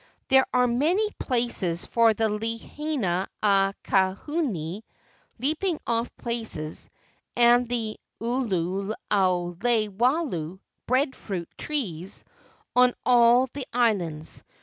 There are many places for the Leina a ka uhane (leaping off places) and the Ulu o lei walo (breadfruit trees) on all the islands.